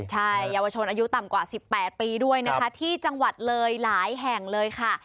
ใช่เยาวชนอายุต่ำกว่า๑๘ปีด้วยนะคะที่จังหวัดเลยหลายแห่งเลยค่ะ